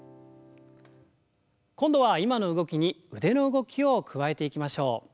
今度は今の動きに腕の動きを加えていきましょう。